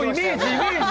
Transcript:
イメージ！